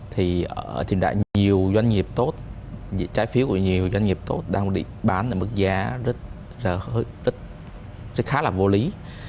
thì đã nhiều doanh nghiệp tốt trái phiếu của nhiều doanh nghiệp tốt đang bán ở mức giá rất khá là vô lý